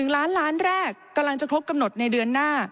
๑ล้านล้านแรกกำลังจะครบกำหนดในเดือนหน้า